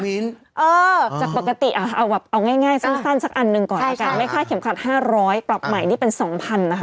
เออจากปกติเอาง่ายสั้นสักอันนึงก่อนไม่ค่าเข็มขัด๕๐๐บาทปรับใหม่นี่เป็น๒๐๐๐บาทค่ะ